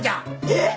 えっ！？